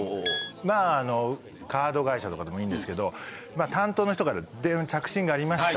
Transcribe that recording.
まああのカード会社とかでもいいんですけど担当の人から電話着信がありました。